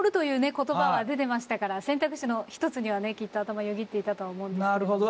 言葉は出てましたから選択肢の一つにはねきっと頭よぎっていたとは思うんですけれども。